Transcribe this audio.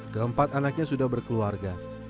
keempat anaknya sudah berkeluarga